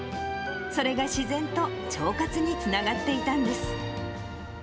それが自然と腸活につながっていたんです。